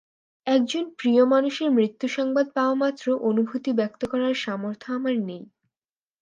একজন প্রিয় মানুষের মৃত্যু সংবাদ পাওয়ামাত্র অনুভূতি ব্যক্ত করার সামর্থ্য আমার নেই।